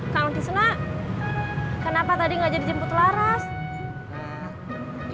kau disana kenapa tadi nggak jadi jemput larang